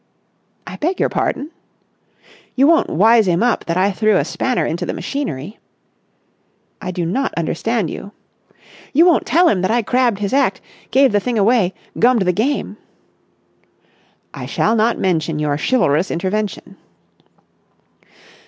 "I beg your pardon?" "You won't wise him up that I threw a spanner into the machinery?" "I do not understand you." "You won't tell him that I crabbed his act ... gave the thing away ... gummed the game?" "I shall not mention your chivalrous intervention."